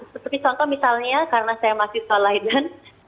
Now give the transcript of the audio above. seperti contoh misalnya karena saya masih solidance